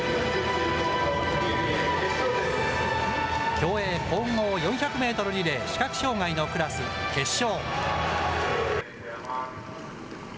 競泳混合４００メートルリレー視覚障害のクラス決勝。